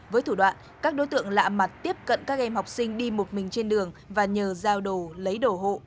với thủ đoạn các đối tượng lạ mặt tiếp cận các em học sinh đi một mình trên đường và nhờ giao đồ lấy đổ hộ